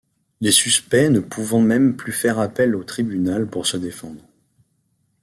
Les suspects ne pouvant même plus faire appel au tribunal pour se défendre.